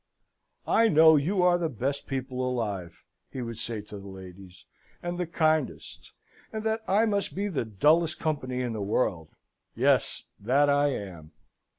"I know you are the best people alive," he would say to the ladies, "and the kindest, and that I must be the dullest company in the world yes, that I am."